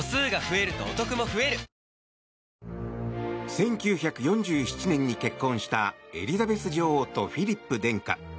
１９４７年に結婚したエリザベス女王とフィリップ殿下。